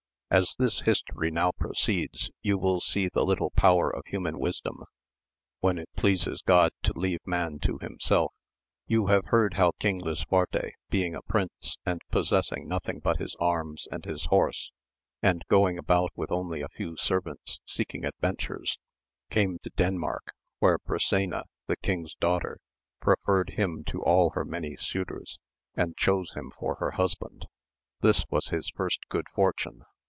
As this history now proceeds you will see the little power of human wisdom when it pleases Grod to leave man to himself. You have heard how King Lisuarte being a prince, and possessing nothing but his arms and his horse, and going about with only a few servants seeking adventures, came to Denmark, where Brisena, the king's daughter, preferred him to all her many suitors, and chose him for her husband ; this was his first good fortune.